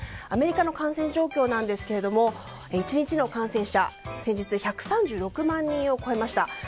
アメリカの感染状況なんですが１日の感染者、先日１３６万人を超えました。